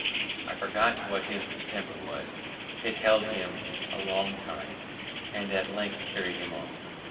I forget what his distemper was; it held him a long time, and at length carried him off.